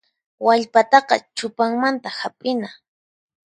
Wallpataqa chupanmanta hap'ina.